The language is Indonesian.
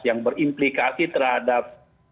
yang berimplikasi terhadap